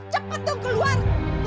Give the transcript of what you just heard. cepet dong keluar